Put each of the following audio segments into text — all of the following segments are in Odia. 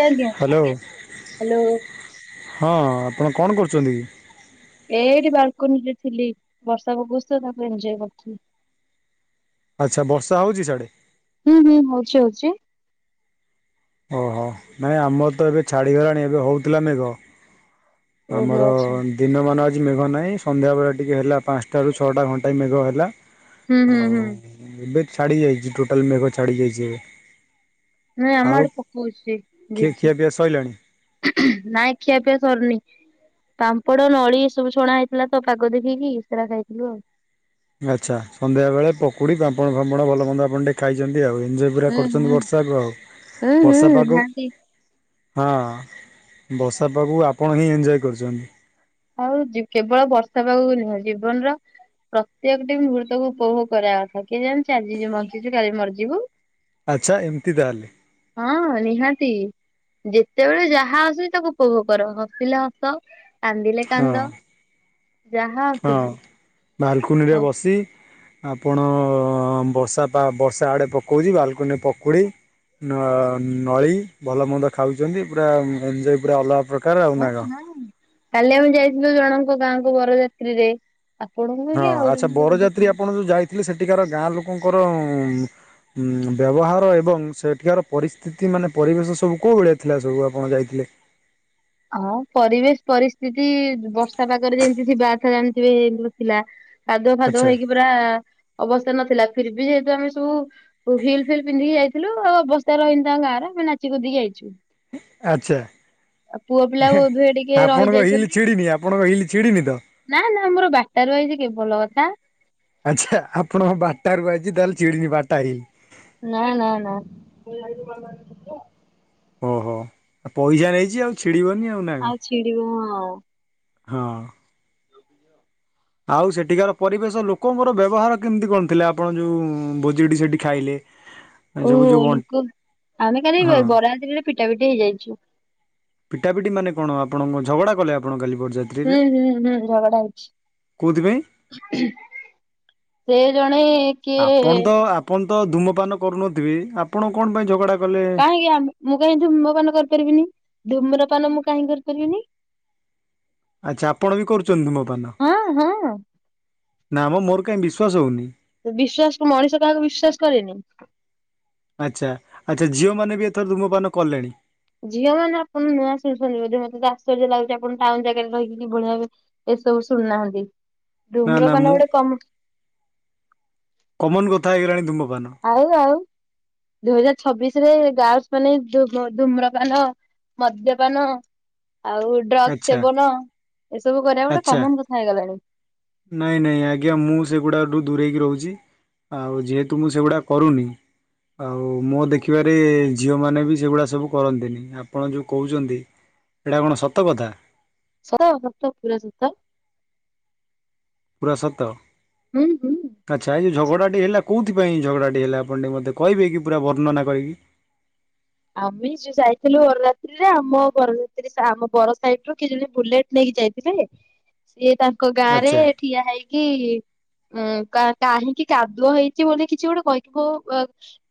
ଆଜ୍ଞା ହାଲୋ ହ୍ୟାଲୋ ହଁ ଆପଣ କଣ କରୁଚନ୍ତିକି? ଏଇଠି ବ୍ଲୁକୁନିରେ ଥିଲି ବର୍ଷା ପକଉଚିତ ତାକୁ ଏଞଜୟ କରୁଥିଲି। ଆଚ୍ଛା ବର୍ଷା ହେଉଚି ସିଆଡେ। ହୁଁ ହୁଁ ହଉଚି ହଉଚି। ଓହୋ ନାଇଁ ଆମରତ ଏବେ ଛାଡ଼ିଗଲାଣି ଏବେ ହେଉଥିଲା ମେଘ। ଓହୋ ଆମର ଆଚ୍ଛା ଦିନମାନ ଆଜି ମେଘ ନାହିଁ ସନ୍ଧ୍ୟାବେଳେ ଟିକିଏ ହେଲା ପାଞ୍ଚଟାରୁ ଛଅଟା ଘଣ୍ଟାଏ ମେଘ ହେଲା। ହୁଁ ହୁଁ ଆଉ ହୁଁ ଏବେ ଛାଡ଼ି ଯାଇଚି ଟୋଟାଲ ମେଘ ଛାଡ଼ି ଯାଇଚି ଏବେ। ନାଇଁ ଆମ ଆଉ ଆଡେ ପକଉଚି ଖିଆ ଝିପ୍ ଖିଆପିଆ ସଇଲାଣି? ଝିପ୍ ନାଇଁ ଖିଆ ପିଆ ସରିନି। ପାମ୍ପଡ଼ ନଳି ଏସବୁ ଛଣା ହେଇଥିଲାତ ପାଗ ଦେଖିକି ସେରା ଖାଇଥିଲୁ ଆଉ। ଆଚ୍ଛା ସନ୍ଧ୍ୟା ବେଳେ ପକୁଡ଼ି ପାମ୍ପଡ଼ ଫାମ୍ପଡ଼ ଭଲ ମନ୍ଦ ଆପଣଟେ ଖାଇଚନ୍ତି ଆଉ ଏଜ ପୁରା ହୁଁ କରୁଚନ୍ତି ହୁଁ ବର୍ଷାକୁ ଆଉ ହୁଁ ହୁଁ ବର୍ଷା ପାଗ ନିହାତି ହଁ ବର୍ଷା ପାଗକୁ ଆପଣହିଁ ଏଞଜୟ କରୁଚନ୍ତି। ଆଉ କେବଳ ବର୍ଷା ପାଗକୁ ନୁହେଁ ଜୀବନର ପ୍ରତ୍ୟେକଟି ମୁହୂର୍ତ୍ତକୁ ଉପଭୋଗ କରିବା କଥା କିଏ ଜାଣିଚି ଆଜି ଯିଏ ବଞ୍ଚିଚୁ କାଲି ମରିଯିବୁ। ଆଚ୍ଛା ଏମତି ତାହାଲେ। ହଁ ନିହାତି। ଯେତେବେଳେ ଯାହା ଆସୁଚି ତାକୁ ଉପଭୋଗ କର ହସିଲେ ହସ କାନ୍ଦିଲେ ହଁ। କାନ୍ଦ ଯାହା ଆସୁଚି। ମାଲକୁନିରେ ବସି ଆପଣ ବର୍ଷା ପା ବର୍ଷା ଆଡ଼େ ପକଉଚି ବାଲୁକୁନିରେ ପକୁଡ଼ି ନ ନଳି ଭଲମନ୍ଦ ଖାଉଚନ୍ତି ପୁରା ଏଞଜୟ ପୁରା ଅଲଗା ପ୍ରକା ହଁ ହଁ କାଲି ଆମେ ଯାଇଥିଲୁ ଜଣଙ୍କ ଗାଁକୁ ବରଯାତ୍ରୀରେ ଆପଣଙ୍କୁ ହଁ କି ଆଉ ଆଚ୍ଛା ଜଣଙ୍କୁ ବୋଧେ ବରଯାତ୍ରୀ ଆପଣ ଯୋଉ ଯାଇଥିଲେ ସେଠିକାର ଗାଁ ଲୋକଙ୍କର ଉଁ ବ୍ୟବହାର ଏବଂ ସେଠିକାର ପରିସ୍ଥିତି ମାନେ ପରିବେଶ ସବୁ କୋଉ ଭଳିଆ ଥିଲା ସବୁ ଆପଣ ଯାଇଥିଲେ? ହଁ ପରିବେଶ ପରିସ୍ଥିତି ବର୍ଷା ପାଗରେ ଯେମିତି ଥିବାଥ ଜାଣିଥିବେ ଯେମ ଥିଲା। କାଦୁଅ ଫାଦୁଅ ଆଚ୍ଛା ହେଇକି ପୁରା ଅବସ୍ଥାରେ ନଥିଲା ଫିରିବି ଯେହେତୁ ଆମେ ସବୁ ହିଲ୍ ଫିଲ୍ ପିନ୍ଧିକି ଯାଇଥିଲ ଆଉ ଅବସ୍ାରେ ରହନି ତାଙ୍କ ଗାଁରେ ଆମେ ନାଚି କୁଦିକି ଯାଇଚୁ। ଆଚ୍ଛା ପିଲା ବୋଧୁଏ ଟିକେ ଆପଣଙ୍କ ହିଲ୍ ରହିଯାଇଛନ୍ତି ଛିଡ଼ିନି ଆପ ଆପଣଙ୍କ ହିଲ ଛିଡିନି ତ? ନା ନା ଆମର ବାଟାରୁ ଆଇଛି କେ ଭଲ କଥା। ଆଚ୍ଛା ଆପଣଙ୍କ ବାଟାରୁ ଆଇଚି ତାହେଲେ ଛିଡିନି ବାଟା ହେଇ ନା ନା ନା। ଓହୋ ପଇସା ନେଇଛି ଆଉ ଛିଡିବନି ଆଉ ନା କଣ ଆଉ ଛିଡିବ ହଁ। ହଁ। [unintelligible] ଆଉ ସେଠିକାର ପରିବେଶ ଲୋକଙ୍କର ବ୍ୟବହାର କେମିତି କଣ ଥିଲା ଆପଣ ଯେଉଁ ଭୋଜିଟି ସେଇଠି ଖାଇଲେ। ଓ ସବୁ ଯୋଉ ବଣ୍ଟ ଲୋକ ଆମେ ଖାଲି ହଁ ବରଯାତ୍ରିରେ ପିଟା ପିଟି ହେଇଯାଇଛୁ। ପିଟା ପିଟିମାନେ କଣ ଆପଣ କଣ ଝଗଡ଼ା କଲେ ଆପଣ କାଲି ବରଯାତ୍ରି ହୁଁ ହୁଁ ହୁଁ ଝଗଡା କୋଉଥିପାଇଁ? ହେଇଛି। ସେ ଜଣେ କିଏ ଆପଣ ତ ଆପଣ ତ ଧୁମପାନ କରୁନଥିବେ ଆପଣ କଣ ପାଇଁ ଝଗଡା କାହିଁକି ମୁଁ କାହିଁକି ଧୁମପାନ କରିପାରିବିନି ଧୂମ୍ରପାନ ମୁଁ କାହିଁକି କରିପାରିବିନି ଆଚ୍ଛା ଆପଣ ବି କରୁଛନ୍ତି ଧୁମପାନ? ହଁ ହଁ ନା ମଁ ମୋର କାହିଁ ବିଶ୍ୱାସ ହଉନି। ବିଶ୍ଵାସ ମଣିଷ କାହାକୁ ବିଶ୍ଵାସ କରେନି। ଆଚ୍ଛା ଆଚ୍ଛା ଝିଅ ମାନେ ବି ଏଥର ଧୁମପାନ କଲେଣି ଝିଅ ମାନେ ଆପଣ ନୂଆ ଶୁଣୁଛନ୍ତି ବୋଧେ ମତେ ଆଶ୍ଚର୍ଯ୍ୟ ଲାଗୁଚି ଆପଣ ଟାଉନ ଜାଗାରେ ରହିକି କିଭଳିଆ ଭାବେ ଏସବୁ ଶୁଣିନାହାନ୍ତି। ନା ନା ମୁଁ କମନ କଥା ହେଇଗଲାଣି ଧୂମପାନ ଆଉ ଆଉ ଦୁଇ ହଜାର ଛବିଶରେ ଗାର୍ଲସ ମାନେ ଧୁମ୍ରପାନ ମଦ୍ୟପାନ ଆଉ ଡ୍ରଗ୍ସ ଆଚ୍ଛା ସେବନ ଏସବୁ କରିବା ଗୋଟେ ଆଚ୍ଛା। କମନ କଥା ହେଇଗଲାଣି। ନାଇଁ ନାଇଁ ଆଜ୍ଞା ମୁଁ ସେଗୁଡ଼ାଠୁ ଦୂରେଇକି ରହୁଛି। ଆଉ ଯେହେତୁ ମୁଁ ସେଗୁଡ଼ା କରୁନି ଆଉ ମୋ ଦେଖିବାରେ ଝିଅ ମାନେ ବି ସେଗୁଡା ସବୁ କରନ୍ତିନି ଆପଣ ଯୋଉ କହୁଛନ୍ତି ଏଟା କଣ ସତ କଥା? ସତ ସତ ପୁରା ସତ। ପୁରା ସତ ହୁଁ ହୁଁ। ଆଚ୍ଛା ଏ ଝଗଡ଼ାଟି ହେଲା କୋଉଥିପାଇଁ ଝଗଡ଼ାଟି ହେଲା ଆପଣ ଟିକ ମୋତେ କହିବେ କି ପୁରା ବଣ୍ଣନା କରିକି ଆମେ ଯୋଉ ଯାଇଥିଲୁ ବରରାତ୍ରିରେ ଆମ ବରଯାତ୍ରି ଆମ ବର ସାଇଡରୁ କି ଜଣ ବୁଲେଟ ନେଇକି ଯାଇଥିଲେ ସିଏ ତାଙ୍କ ଗାଁ ରେ ଆଚ୍ଛା ଠିଆ ହେଇକି ଉଁ କାହିଁକି କାଦୁଅ ହେଇଛି ବୋଲି କିଛି ଗୋଟେ କହିଥିବ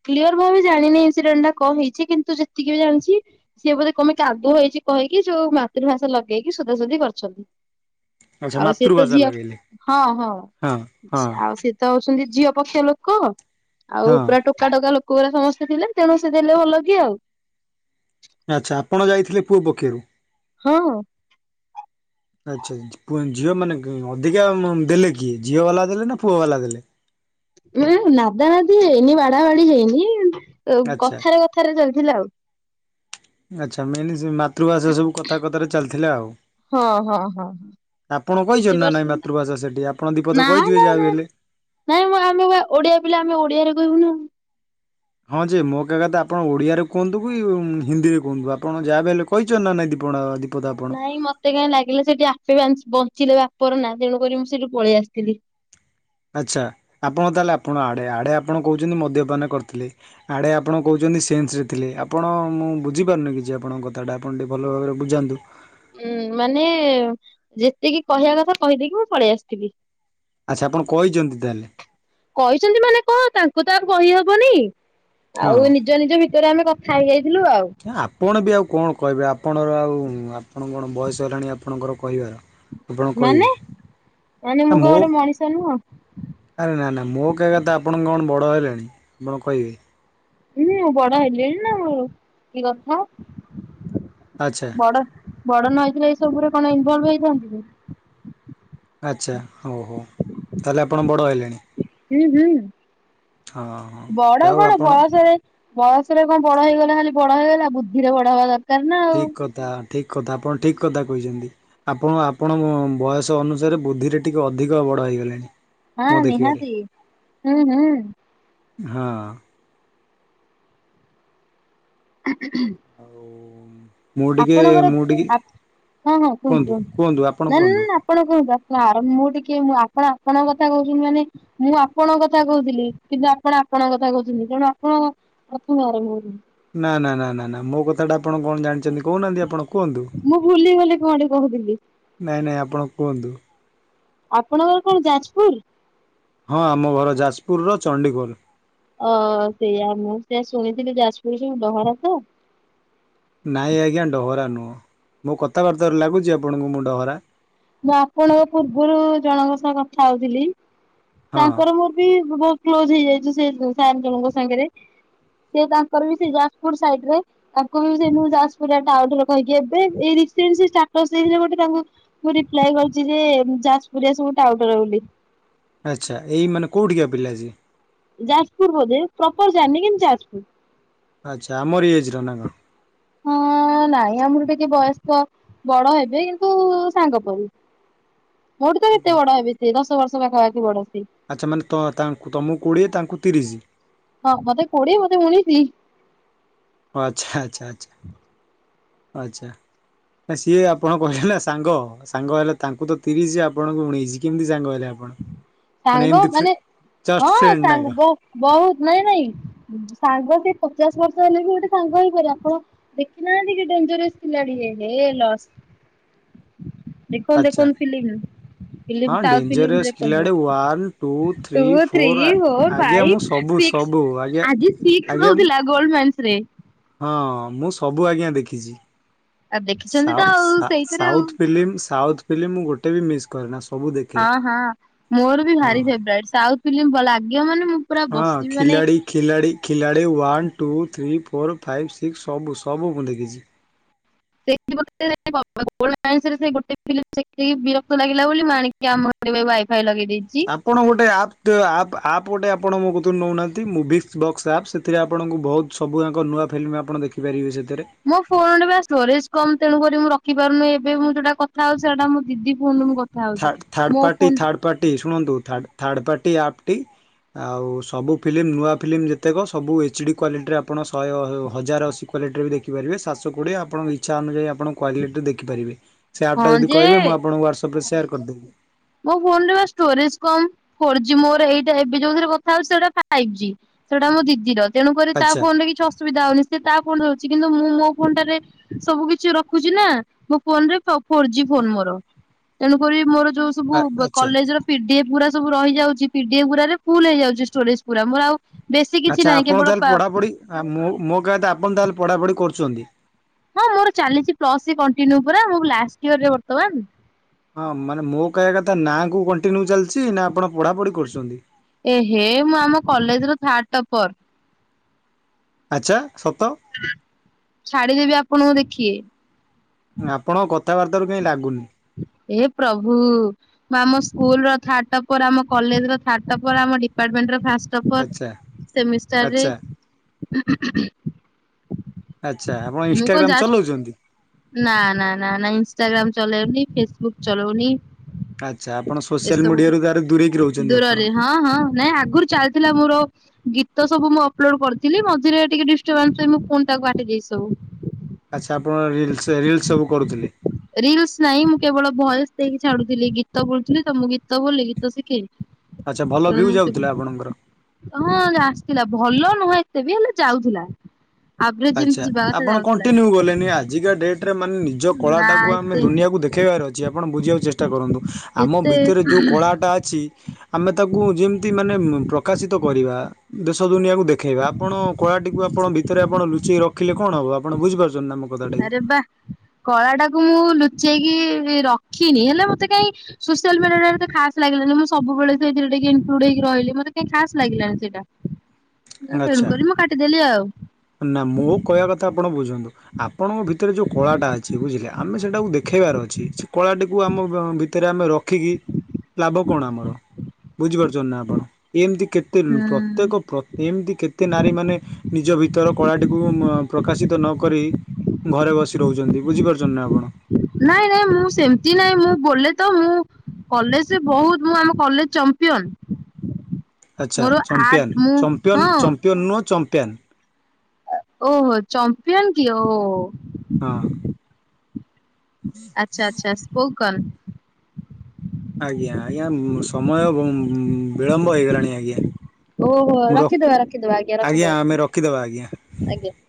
କ୍ଲିୟର ଭାବେ ଜାଣିନି ଇନ୍ସିଡେଣ୍ଟଟା କଣ ହେଇଛି କିନ୍ତୁ ଯେତିକି ବି ଜାଣିଛି ସିଏ ବୋଧେ କଣ ପାଇଁ କାଦୁଅ ହେଇଛି କହିକି ଯୋଉ ମାତୃଭାଷା ଲଗେଇକି ସୁଧାସୋଧି କରିଛନ୍ତି। ଆଚ୍ଛା ଆଉ ସେ ତ ମାତୃଭାଷା ଝିଅ ଲଗେଇଲେ ହଁ ହଁ ଆଉ ସେ ତ ହଉଛନ୍ତି ଝିଅ ପକ୍ଷ ଲୋକ ଆଉ ହଁ ପୁରା ଟୋକ ଟୋକାଟୋକା ଲୋକଗୁରା ସମସ୍ତେ ଥିଲେ ତେଣୁ ସେ ଦେଲେ ଭଲ କି ଆଉ ଆଚ୍ଛା ଆପଣ ଯାଇଥିଲେ କୋଉ ପକ୍ଷରୁ ହଁ। ଆଛା ଆଛା ଝିଅ ମାନେ ଅଧିକା ଦେଲେ କିଏ ଝିଅବାଲା ଦେଲେ ନା ପୁଅବାଲା ଦେଲେ? ନା ନାଦାନାଦି ହେଇନି ବାଡାବାଢି ହେଇନି ଆଚ୍ଛା କଥାରେ କଥାରେ ଚାଲିଥିଲା ଆଉ ଆଚ୍ଛା ମେନ୍‌ ମାତୃଭାଷା ସବୁ କଥା କଥାରେ ଚାଲିଥିଲା ଆଉ। ହଁ ହଁ ହଁ। ଆପଣ କହିଛନ୍ତି ନା ନାଇଁ ବୁଝିପାରୁଛନ୍ତି ମାତୃଭାଷା ସେଠି ଆପଣ ଦୀପଦ ନା ତ ନା କହିଥିବେ ଯାହା ନା ବି ହେଲେ। ନାଇଁ ମୁଁ ଆମେ ଓଡିଆ ପିଲା ଆମେ ଓଡିଆରେ କହିବୁ ନାଉ। ହଁ ଯେ ମୋ କହିବା କଥା ଆପଣ ଓଡିଆରେ କୁହନ୍ତୁ କି ହିନ୍ଦୀରେ କୁହନ୍ତୁ ଆପଣ ଯାହା ଭି ହେଲେ କହିଛନ୍ତି ନା ନାଇଁ ଦୀପଣ ଦି ନାଇଁ ମତେ କାହିଁ ଲାଗିଲା ସେଠି ଆପେ ବଞ୍ଚିଲେ ବାପର ନା ତେଣୁକରି ମୁଁ ସେଠୁ ପଳେଇ ଆସିଥିଲି। ଆଚ୍ଛା ଆପଣ ତାହେଲେ ଆପଣ ଆଡ଼େ ଆଡ଼େ ଆପଣ କହୁଛନ୍ତି ମଦ୍ୟପାନ କରିଥିଲେ। ଆଡ଼େ ଆପଣ କହୁଛନ୍ତି ସେନ୍ସରେ ଥିଲେ ଆପଣ ମୁଁ ବୁଝିପାରୁନି କିଛି ଆପଣଙ୍କ କଥାଟା ଆପଣ ଟିକେ ଭଲ ଭାବରେ ବୁଝାନ୍ତୁ। ଉଁ ମାନେ ଯେତିକି କହିବା କଥା କହିଦେଇକି ମୁଁ ପଳେଇ ଆସିଥିଲି। ଆଚ୍ଛା ଆପଣ କହିଛନ୍ତି ତାହେଲେ? କହିଛନ୍ତି ମାନେ କଣ ତାଙ୍କୁ ତ ଆଉ କହିହବନି। ହଁ। ଆଉ ନିଜ ନିଜ ଭିତରେ ଆମେ କଥା ହେଇଯାଇଥିଲୁ ଆଉ। ନା ଆପଣ ବି ଆଉ କଣ କହିବେ ଆପଣର ଆଉ ଆପଣ କଣ ବୟସ ହେଲାଣି ଆପଣଙ୍କର କହିବାର। ଆପଣ କହିବେ। ମାନେ ମାନେ ମୁଁ କଣ ମୋ ଗୋଟେ ମଣିଷ ନୁହଁ। ଆରେ ନା ନା ମୋ କହିବା ଆପଣଙ୍କ କଣ ବଡ଼ ହେଲାଣି ଆପଣ କହିବେ। ହୁଁ ବଡ ହେଲିଣି ନା ମୋର କି କଥା ଆଚ୍ଛା ବଡ ବଡ ନଇଥିଲେ ଏଇ ସବୁରେ କଣ ଇନ୍‌ଭଲ୍‌ଭ ହେଇଥାନ୍ତି କି। ଆଚ୍ଛା ହଉ ହଉ ତାହେଲେ ଆପଣ ବଡ଼ ହେଲେଣି। ହୁଁ ହୁଁ ହଁ ହଁ ବଡ ଯାଉ କଣ ଆପଣ ବୟସରେ ବୟସରେ କଣ ବଡ ହେଇଗଲା ଖାଲି ବଡ ହେଇଗଲା ବୁଦ୍ଧିରେ ବଡ ହବା ଦରକାର। ନା ଆଉ ଠିକ୍ କଥା ଠିକ୍ କଥା ଆପଣ ଠିକ୍ କଥା କହିଛନ୍ତି। ଆପଣ ଆପଣଙ୍କ ବୟସ ଅନୁସାରେ ବୁଦ୍ଧିରେ ଟିକେ ଅଧିକ ବଡ଼ ହେଇଗଲେଣି। ହଁ ମୋ ଦେଖିବାରେ ନିହାତି ହୁଁ ହୁଁ। ହଁ। ହଁ ଆଉ ମୁଁ ଟିକେ ମୁଁ ଟିକେ କୁହନ୍ତୁ କୁହନ୍ତୁ ଆପଣ ନା ନା କୁହନ୍ତୁ। ନା ଆପଣ କହୁନ୍ତୁ ଆ ଆ ମୁଁ ଟିକେ ଆପଣ ଆପଣଙ୍କ କଥା କହୁଛନ୍ତି ମାନେ ମୁଁ ଆପଣଙ୍କ କଥା କହୁଥିଲି କିନ୍ତୁ ଆପଣ ଆପଣଙ୍କ କଥା କହୁଛନ୍ତି ତେଣୁ ଆପଣ [unintelligible] ନା ନା ନା ନା ନା ମୋ କଥାଟା ଆପଣ କଣ ଜାଣିଛନ୍ତି କହୁନାହାନ୍ତି ଆପଣ। କୁହନ୍ତୁ ମୁଁ ଭୁଲି ଗଲି କଣ ଗୋଟେ କହୁଥିଲି। ନାଇଁ ନାଇଁ ଆପଣ କୁହନ୍ତୁ ଆପଣଙ୍କର କଣ ଯାଜପୁର? ହଁ ଆମ ଘର ଯାଜପୁରର ଚଣ୍ଡିଖୋଲ ଅ ସେଇଆ ମୁଁ ସେଇଆ ଶୁଣିଥିଲି ଯାଜପୁର ଡହରା ତ। ନାଇଁ ଆଜ୍ଞା ଡହରା ନୁହଁ ମୁଁ କଥାବାର୍ତ୍ତାରୁ ଲାଗୁଛି ଆପଣଙ୍କୁ ମୁଁ ଡହରା? ମୁଁ ଆପଣଙ୍କ ପୂର୍ବରୁ ଜଣଙ୍କ ସହ କଥା ହଉଥିଲି ହଁ ତାଙ୍କର ମୋର ବି ବହୁତ କ୍ଲୋଜ ହେଇଯାଇଚି ସେ ସାର୍ ଜଣଙ୍କ ସାଙ୍ଗରେ ସେ ତାଙ୍କର ବି ସେଇ ଯାଜପୁର ସାଇଡ୍‌ରେ। ତାଙ୍କୁ ବି ସେଇ ଯାଜପୁରା ଆଉ କହିକି ଏବେ ଏଇ ରିସେଣ୍ଟ ସେଇ ଷ୍ଟାଟସ ଦେଇଥିଲେ ଗୋଟେ ତା ମୁଁ ରିପ୍ଲାଏ କରୁଛି ଯେ ଯାଜପୁରିଆ ସବୁ ଟାଉଟର ବୋଲି। ଆଚ୍ଛା ଏଇ ମାନେ କୋଉଠିଆ ପିଲା ସେ? ଯାଜପୁର ବୋଧେ ପ୍ରପର ଜାଣିନି କିନ୍ତ ଯାଜପୁର। ଆଚ୍ଛା ଆମର ଏଜ୍‌ ର ନା କଣ? ହଁ ନାଇଁ ଆମର ଟିକେ ବୟସ୍କ ବଡ ହେବେ କିନ୍ତୁ ସାଙ୍ଗ ପରି। ମୋଠୁ ତ କେତେ ବଡ ହେବ ସିଏ ଦଶ ବର୍ଷ ପାଖାପାଖି ବଡ ସେ ଆଚ୍ଛା ମାନେ ତ ତାଙ୍କୁ ତୁମକୁ କୋଡ଼ିଏ ତାଙ୍କୁ ତିରିଶ। ହଁ ମତେ କୋଡିଏ ମତେ ଉଣେଇସି। ଆଚ୍ଛା ଆଚ୍ଛା ଆଚ୍ଛା ଆଚ୍ଛା। ନା ସିଏ ଆପଣ କହିଲେ ନା ସାଙ୍ଗ ସାଙ୍ଗ ହେଲେ ତାଙ୍କୁ ତ ତିରିଶ ଆପଣଙ୍କୁ ଉଣେଇସି କେମିତି ସାଙ୍ଗ ହେଲେ ଆ ସାଙ୍ଗ ମାନେ ଜଷ୍ଟ ହଁ ଫ୍ରେଣ୍ଡ ନା ସାଙ୍ଗ କଣ? ବ ବହୁତ ନାଇଁ ନାଇଁ ଉଁ ସାଙ୍ଗ ସେ ପଚାଶ ବର୍ଷ ହେଲେ ବି ଗୋଟେ ସାଙ୍ଗ ହେଇପାରେ ଆପଣ ଦେଖି ନାହାନ୍ତିି କି ଡେଞ୍ଜରସ୍ ଥିଲା ଟିକେ ଏହେ ଲସ୍। ଦେଖନ୍ତୁ ଆଚ୍ଛା ଦେଖନ୍ତୁ ଫିଲ୍ଳିମ୍ ରୁ ହଁ ଫିଲିଙ୍ଗ୍ସ ଆଉ ଫିଲ୍ମମ ଡେଞ୍ଜରିୟସ୍ ଦେଖନ୍ତୁ Khiladi one two three two three four ଆ ଫୋର୍ ଆଜ୍ଞା ମୁଁ ଫାଇଭ ସବୁ ସିକ୍ସ ସବୁ ଆଜ୍ଞା ଆଜି ସିକ୍ସି ଆଜ୍ଞା ଦଉଥିଲା ଗୋଲଡ ମନ୍ସ ରେ। ହଁ ମୁଁ ସବୁ ଆଜ୍ଞା ଦେଖିଛି। ଆଉ ଦେଖିଛନ୍ତି ତ ସାଓ ଆଉ ସା ସେଇଥିରେ ଆଉ ସାଉଥ୍ ଫିଲ୍ମମ ସାଉଥ୍ ଫିଲ୍ମମ ଗୋଟେ ବି ମିସ୍ କରିନ ସ ହଁ ହଁ ମୋର ବି ଭାରି ଫେବରାଇଟ୍ ସାଉଥ୍ ଫିଲ୍ମମ ବ ଲାଗିବ ମାନେ ମୁଁ ପୁରା ବସିବି ମାନେ ଖିଲାଡ଼ି ଖିଲାଡ଼ି one two three four five six ସବୁ ସବୁ ମୁଁ ଦେଖିଛି। [unintelligible] ସେ ଗୋଟେ ଫିଲ୍ମିମ ଦେଖିକି ବିରକ୍ତ ଲାଗିଲା ବୋଲି ମୁଁ ଆଣି କି ଆମ ହେପଟେ ୱାଇ ଫାଇ ଲଗେଇ ଦେଇଛି। ଆପଣ ଗୋଟେ ଆପ୍ ଦ ଆପ୍ ଅପ୍ ଗୋଟେ ଆପଣ ମୋ କତିରୁ ନେଉନାହାଁନ୍ତି ମୁଭିକ୍ସ୍ ବକ୍ସ ଆପ୍ ସେ ସେଥିରେ ଆପଣଙ୍କୁ ବହୁତ ସବୁଯାକ ନୂଆ ଫିଲ୍ମ ଆପଣ ଦେଖିପାରିବେ ସେଥିରେ। ମୋ ଫୋନ ବା ଷ୍ଟୋରେଜ୍ କମ୍ ତେଣୁ କରି ମୁଁଖିପାରୁନି ଏବେ ମୁଁ ଯୋଉଟା କଥାଉ ସେଇଟା ମୋ ଦିଦି ଫୋନ୍ ରେ ମୁଁ କଥା ହଉଛି ମୋ ଫୋନ ପଟି ଶୁଣନ୍ତୁ ଥାର୍ଡ଼ ଥାଡ୍ ପାଟି ଆପ୍ ଟି ଆଉ ସବୁ ଫିଲ୍ମମ ନୂଆ ଫିଲ୍ମମ ଯେତେକ ସବୁ ଏଚ୍ଡ଼ି କ୍ୱାଲିଟିରେ ଆପଣ ଶହେ ହ ହଜାର ଅଶି କ୍ୱାଲିଟ୍ରରବି ଦେଖିପାରିବେ ସାତସ କୋଡିଏ ଆପଣଙ୍କଇଚ୍ଛା ଅନୁଯାୟି ଆପଣ କ୍ୱାଲିଟ ଦେଖିପାରିବେ ସେ ଆପ୍ ହଁ ଯଦି ଯେ କହିବେ ମୁଁ ଆପଣଙ୍କୁ ହ୍ୱାଟ୍ସପ ରେ ସେୟାର୍ କରିଦେବି। ମୋ ଫୋନ୍ ରେ ବା ଷ୍ଟୋରେଜ କମ୍ ଫୋର ଜି ମୋର ଏଇଟା ଏବେ ଯୋଉ ଥିରେ କଥା ‌ହଉଛି ସେଇଟା ଫାଇପ ଜି। ସେଇଟା ଆମ ଦିଦିର ତେଣୁ କରି ତା ଆଚ୍ଛା ଫୋନରେ କିଛି ଅସୁବିଧା ହଉନି ସ ସେ ତା ଫୋନ ଧରୁଛି କିନ୍ତୁ ମୁଁ ମୋ ଫୋନ ଟାରେ ସବୁ କିଛି ରଖୁଛି ନା ମୋ ଫୋନରେ ସ ଫୋର୍ ଜି ଫୋନ ମୋର ତେଣୁକରି ମୋର ଯୋଉ ସବୁ ବ ଆଚ୍ଛା। କଲେଜ ର ପିଡିଏଫ୍ ପୁରା ସବୁ ରହିଯାଉଛି ପିଡିଏଫ୍ ପୁରାରେ ଫୁଲ ହେଇଯାଉଛି ଷ୍ଟୋରେଜ ପୁରା ମୋର ଆଉ ବେଶୀ କିଛି ନାହିଁ କେବଳ ପା ଆ ମୁଁ ମୋ କହିବାକଥା ଆପଣ ତାହେଲେ ପଢ଼ାପଢ଼ି କରୁଛନ୍ତି? ହଁ ମୋର ଚାଲିଛି ପ୍ଲସଥ୍ରି କଣ୍ଟିନ୍ୟୁ ପୁରା ମୁଁ ଲାଷ୍ଟ ଇୟର ରେ ବର୍ତ୍ତମାନ ହଁ ମାନେ ମୋ କହିବା କଥା ନାକୁ କଣ୍ଟିନ୍ୟୁ ଚାଲିଛି ନା ଆପଣ ପଢାପଢି କରୁଛନ୍ତି? ଏ ହେ ମୁଁ ଆମ କଲେଜ ର ଥାର୍ଡ ଟପର୍। ଆଚ୍ଛା ସତ? ଛାଡି ଦେବି ଆପଣଙ୍କୁ ଦେଖିଏ? ଆପଣଙ୍କ କଥାବାର୍ତ୍ତାରୁ କହିଁ ଲାଗୁନି। ଏ ପ୍ରଭୁ। ଆମ ସ୍କୁଲ ର ଥାର୍ଡ ଟପର ଆମ କଲେଜ ର ଥାର୍ଡ ଟପର ଆମ ଡିପାର୍ଟମେଣ୍ଟ ର ଫାଷ୍ଟ ଟପର ଆଚ୍ଛା ସେମିଷ୍ଟାର ରେ ଆଚ୍ଛା। ହୁଁ ହୁଁ ହୁଁ ଆଚ୍ଛା ଆପଣ ଇନଷ୍ଟାଗ୍ରାମ୍ ଯାଚ୍ ଚଲଉଛନ୍ତି? ନା ନା ନା ନା ଇଷ୍ଟାଗ୍ରାମ ଚଲଉନି ଫେସବୁକ୍ ଚଲଉନି? ଆଚ୍ଛା ଆପଣ ସୋସିଆଲ୍ ଏସବୁଠୁ ମିଡ଼ିଆରୁ ତାରେ ଦୂରେଇକି ରହୁଛନ୍ତି ଦୂରରେ ଆପଣ? ହଁ ହଁ ନାଇଁ ଆଗରୁ ଚାଲିଥିଲା ମୋର ଗୀତ ସବୁ ମୁଁ ଅପଲୋଡ କରିଥିଲି ମଝିରେ ଟିକେ ଡିଷ୍ଟବାନ୍ସ ପାଇଁ ମୁଁ ପୁଣି ତାକୁ କାଟିଦେଇଛି ସବୁ। ଆଚ୍ଛା ଆପଣ ରିଲ୍ସ ରିଲ୍ସ ସବୁ କରୁଥିଲେ। ରିଲ୍ସ ନାଇ ମୁଁ କେବଳ ଭଏସ ଦେଇକି ଛାଡୁଥିଲି ଗୀତ ବୁଲୁଥିଲି ତ ମୁଁ ଗୀତ ବୋଲି ଗୀତ ଶିଖେଇ। ଆଚ୍ଛା ଭଲ ଉ ଭିଉ ମୁଁ ଯାଉଥିଲା ଆପଣଙ୍କର। କେବେ ହଁ ଆସିଥିଲା ଭଲ ନୁହଁ ଏତେ ବି ହେଲେ ଯାଉଥିଲା। ଆଭରେଜ ଯେମିତି ଆଚ୍ଛା ଯିବା କଥା ଆପଣ ଯାଉଥିଲା କଣ୍ଟିନ୍ୟୁ କଲେନି ଆଜିକା ଡେଟ ରେ ମାନେ ନିଜ କଳା ନା ଟାକୁ ଆମେ ଏତେ ଦୁନିଆକୁ ଦେ ଦେଖେଇବାର ଅଛି ଆପଣ ବୁଝିବାକୁ ଚେଷ୍ଟା କରନ୍ତୁ ଆମ ଏତେ ଭିତରେ ଯେଉଁ କଳାଟା ଅଛି ଆମେ ତାକୁ ଯେମିତି ମାନେ ପ୍ରକାଶିତ କରିବା ଦେଶ ଦୁନିଆକୁ ଦେ ଦେଖାଇବା ଆପଣ କଳାଟିକୁ ଆପଣ ଭିତରେ ଆପଣ ଲୁଚେଇକ ରଖିଲେ କଣ ହେବ ଆପଣ ବୁଝିପାରୁଛନ୍ତି ନା ମ ଆରେ ବା କଳା ଟାକୁ ମୁଁ ଲୁଚେଇକି ରଖିନି ହେଲେ ମତେ କାଇଁ ସୋସିଆଲ ମିଡିଆରେ ମୋତେ ଖସ୍ ଲାଗିଲାନି ମୁଁ ସବୁ ବେଳେ ସେଥିରେ ଟିକେ ଇନକ୍ଲୁଡ ହେଇକି ରହିଲି ମତେ କାଇଁ ଖାସ୍ ଲାଗିଲାନି ସେଟା। ନା ଆଚ୍ଛା ତେଣୁକରି ମୁଁ କାଟିଦେଲି ଆଉ। ନା ମୁଁ କହିବା କଥା ଆପଣ ବୁଝନ୍ତୁ। ଆପଣଙ୍କ ଭିତରେ ଯୋଉ କଳାଟା ଅଛି ବୁଝିଲେ ଆମେ ସେଟାକୁ ଦେଖେଇବାର ଅଛି ସେ କଳାଟିକୁ ଆମ ଭିତରେ ଆମେ ର ରଖିକି ଲାଭ କଣ ଆମର ବୁଝିପାରୁଛ ନା ଆପଣ ଏମିତି କେତେ ଲୋ ପ୍ର ହୁଁ। ପ୍ରତ୍ୟେକ ପ୍ର ଏମିତି କେତେ ନାରୀମାନୋନ ନିଜ ଭିତର କଳାଟିକୁ ପ୍ରକାଶିତ ନକରି ଘରେ ବସି ରହୁଛନ୍ତି ବୁଝିପାରୁଛନ୍ତି ନା ଆପଣ? ନାଇଁ ନାଇଁ ମୁଁ ସେମତି ନାଇଁ ମୁଁ ବୋଲେ ତ ମୁଁ କଲେଜ ବହୁତ ମୁଁ ଆମ କଲେଜ ଚମ୍ପିୟନ। ଆଚ୍ଛା ମୋର ଚମ୍ପିଆନ୍ ଆର୍ଟ ମୁଁ ଚମ୍ପିୟ ହଁ ଚମ୍ପିୟନ୍ ନୁହଁ ଚମ୍ପିଆନ୍। ଓହୋ ଚମ୍ପିୟନ କି ଓ। ହଁ। ଆଚ୍ଛା ଆଚ୍ଛା ସ୍ପୋକନ। ଆଜ୍ଞା ଆଜ୍ଞା ମ୍ - ସମୟ ମ୍ -ବିଳମ୍ବ ହେଇଗଲାଣି ଆଜ୍ଞା। ଓହୋ ମୁଁ ରଖିଦେବା ରଖିଦବା ଆଜ୍ଞା ଆମେ ରଖିଦବା ରଖିଦେବା ଆଜ୍ଞା। ଆଜ୍ଞା।